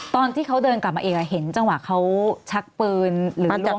ตอนที่เขาเดินกลับมาอีกเห็นจังหวะเขาชักปืนหรือลง